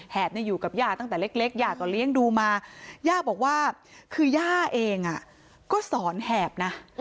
อยู่กับย่าตั้งแต่เล็กย่าก็เลี้ยงดูมาย่าบอกว่าคือย่าเองก็สอนแหบนะ